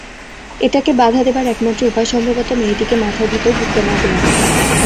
এটাকে বাধা দেবার একমাত্র উপায় সম্ভবত মেয়েটিকে মাথার ভেতর ঢুকতে না-দেয়া।